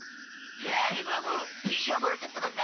やいマモー石はもらっちゃったかんな。